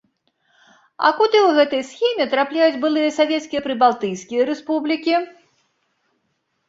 А куды ў гэтай схеме трапляюць былыя савецкія прыбалтыйскія рэспублікі?